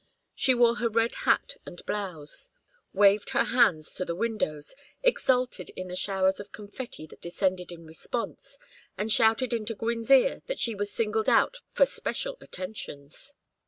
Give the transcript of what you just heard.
She wore her red hat and blouse, waved her hands to the windows, exulted in the showers of confetti that descended in response, and shouted into Gwynne's ear that she was singled out for special attentions.